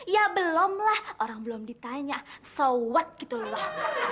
ya belumlah orang belum ditanya so what gitu loh